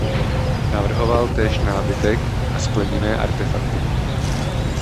Navrhoval též nábytek a skleněné artefakty.